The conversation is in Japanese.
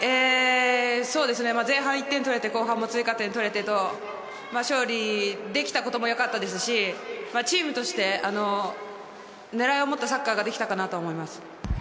前半１点取れて、後半も追加点が取れて、勝利できたことはよかったですし、チームとして狙いを持ったサッカーができたと思います。